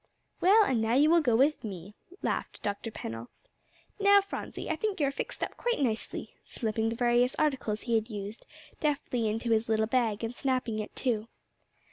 "Well, and now you will go with me," laughed Dr. Pennell. "Now, Phronsie, I think you are fixed up quite nicely," slipping the various articles he had used, deftly into his little bag, and snapping it to.